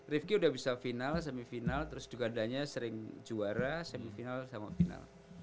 rivki udah bisa final semifinal terus dukandanya sering juara semifinal sama final